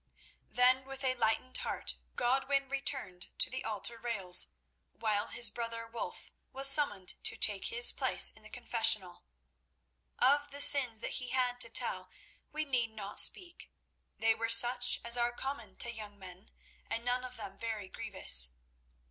Then with a lightened heart Godwin returned to the altar rails, while his brother Wulf was summoned to take his place in the confessional. Of the sins that he had to tell we need not speak. They were such as are common to young men, and none of them very grievous.